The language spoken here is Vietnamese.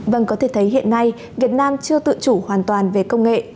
vâng có thể thấy hiện nay việt nam chưa tự chủ hoàn toàn về công nghệ